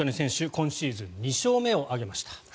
今シーズン２勝目を挙げました。